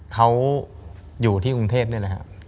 เขาอยู่ที่กรุงเทพนี่แหละครับ